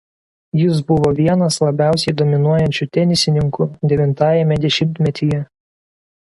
Jis buvo vienas labiausiai dominuojančių tenisininkų devintajame dešimtmetyje.